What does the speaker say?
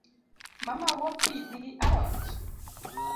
Mamau opidhi alot?